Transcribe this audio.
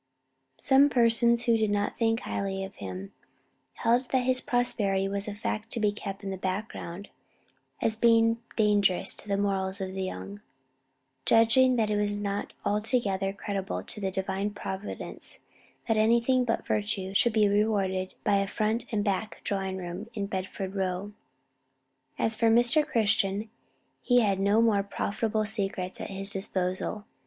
Some persons who did not think highly of him, held that his prosperity was a fact to be kept in the background, as being dangerous to the morals of the young; judging that it was not altogether creditable to the Divine Providence that anything but virtue should be rewarded by a front and back drawing room in Bedford Row. As for Mr. Christian, he had no more profitable secrets at his disposal.